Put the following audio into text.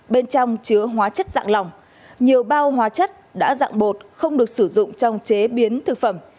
bên trong chứa hóa chất dạng lỏng nhiều bao hóa chất đã dạng bột không được sử dụng trong chế biến thực phẩm